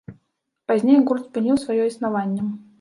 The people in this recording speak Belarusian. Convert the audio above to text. Пазней гурт спыніў сваё існаванне.